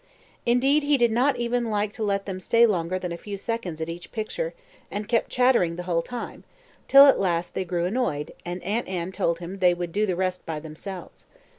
Indeed, he did not even like to let them stay longer than a few seconds at each picture, and kept chattering the whole time, till at last they grew annoyed, and Aunt Anne told him they would do the rest by themselves.